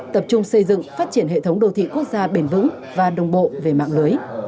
tập trung xây dựng phát triển hệ thống đô thị quốc gia bền vững và đồng bộ về mạng lưới